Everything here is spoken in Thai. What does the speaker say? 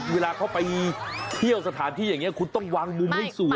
เวลาเขาไปเที่ยวสถานที่อย่างนี้คุณต้องวางมุมให้สวย